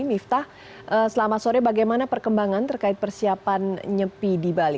miftah selamat sore bagaimana perkembangan terkait persiapan nyepi di bali